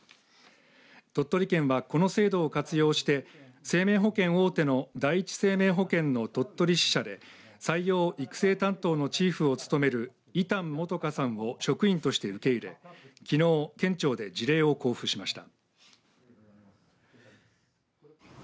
鳥取県はこの制度を活用して生命保険大手の第一生命保険の鳥取支社で採用育成担当のチーフを務める伊丹素花さんを職員として受け入れきのう県庁で辞令を交付しました。